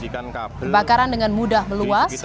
kebakaran dengan mudah meluas